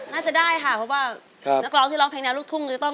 น่าจะได้ค่ะเพราะว่านักร้องที่ร้องเพลงนี้ลุกทุ่ง